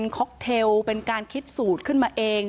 ค็อกเทลเป็นการคิดสูตรขึ้นมาเอง